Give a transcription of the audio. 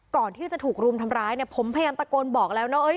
ก่อนที่จะถูกรุมทำร้ายเนี่ยผมพยายามตะโกนบอกแล้วนะเอ้ย